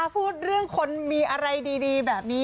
พูดเรื่องคนมีอะไรดีแบบนี้